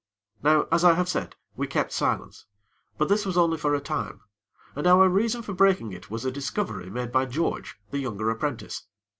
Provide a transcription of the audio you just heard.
Now, as I have said, we kept silence; but this was only for a time, and our reason for breaking it was a discovery made by George, the younger apprentice.